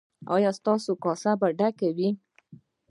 ایا ستاسو کاسه به ډکه وي؟